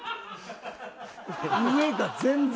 上が全然。